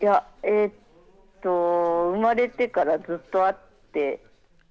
生まれてからずっとあって。